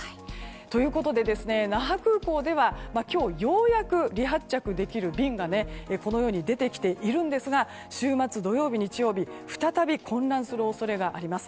ということで、那覇空港では今日ようやく離発着できる便が出てきているんですが週末の土曜日、日曜日再び混乱する恐れがあります。